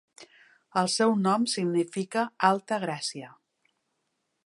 El seu nom significa "Alta Gràcia".